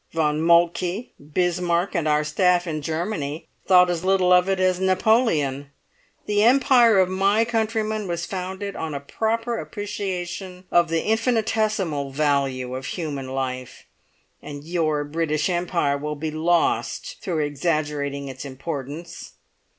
Von Moltke, Bismarck, and our staff in Germany thought as little of it as Napoleon; the Empire of my countrymen was founded on a proper appreciation of the infinitesimal value of human life, and your British Empire will be lost through exaggerating its importance.